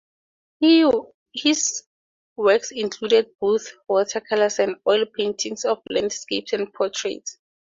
His works included both watercolors and oil paintings of landscapes and portraits.